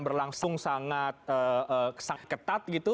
berlangsung sangat ketat